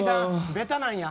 ベタなんや。